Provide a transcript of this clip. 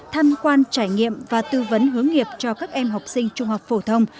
tham quan trải nghiệm và tư vấn hướng nghiệp cho các em học sinh trung học phổ thông